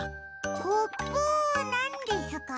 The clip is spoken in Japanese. コプなんですか？